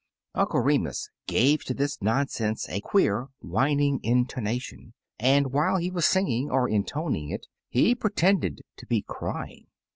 '" Uncle Remus gave to this nonsense a queer, whining intonation, and while he was singing, or intoning it, he pretended to be crjdng.